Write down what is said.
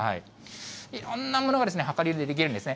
いろんなものが量り売りできるんですね。